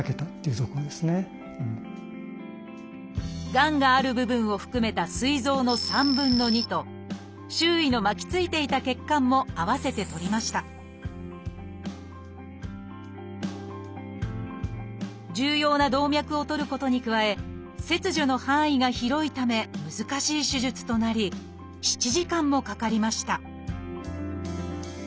がんがある部分を含めたすい臓の３分の２と周囲の巻きついていた血管も併せて取りました重要な動脈を取ることに加え切除の範囲が広いため難しい手術となり７時間もかかりました